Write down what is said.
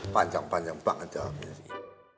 panjang panjang banget jalannya sih